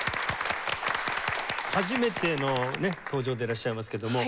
初めてのね登場でいらっしゃいますけども。